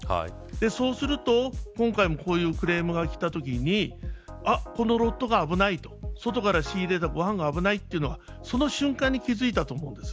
そうすると今回もこういうクレームがきたときにこのロットが危ないと外から仕入れたご飯が危ないというのはその瞬間に気付いたと思うんです。